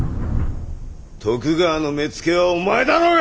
徳川の目付けはお前だろうが！